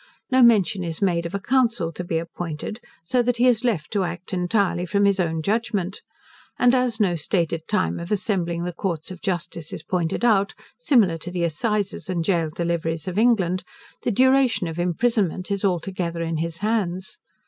No mention is made of a Council to be appointed, so that he is left to act entirely from his own judgment. And as no stated time of assembling the Courts of justice is pointed out, similar to the assizes and gaol deliveries of England, the duration of imprisonment is altogether in his hands.